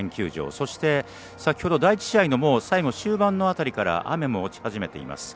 そして、先ほど第１試合の最後、終盤の辺りから雨も落ち始めています。